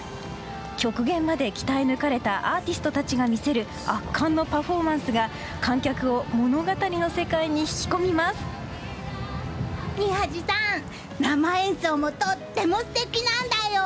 極限まで鍛え抜かれたアーティストたちが魅せる圧巻のパフォーマンスが観客を物語の世界へ宮司さん、生演奏もとっても素敵なんだよ！